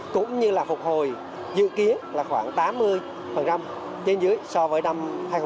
cũng như là phục hồi dự kiến là khoảng tám mươi trên dưới so với năm hai nghìn một mươi